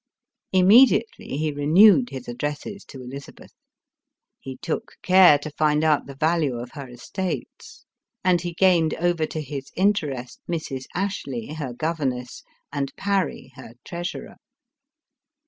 Immediately, he renewed his addresses to Elizabeth ; he took care to find out the value of her estates ; and he gained over to his interests Mrs. Ashley, her gov erness, and Parry, her treasurer.